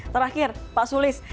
terakhir pak sulis